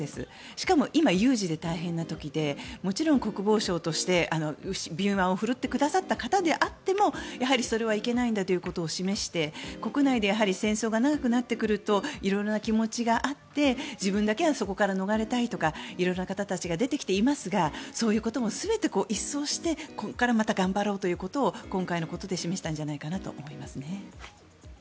しかも今、有事で大変な時でもちろん国防相として敏腕を振るってくださった方であってもやはりそれはいけないんだということを示して国内で戦争が長くなってくると色々な気持ちがあって自分だけはそこから逃れたいとか色々な方たちが出てきていますがそういうことも全て一掃してここからまた頑張ろうということを今回のことで示したんじゃないかなと思います。